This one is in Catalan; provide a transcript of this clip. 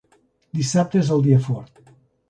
Dissabte és el dia fort.